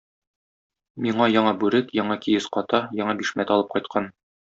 Миңа яңа бүрек, яңа киез ката, яңа бишмәт алып кайткан.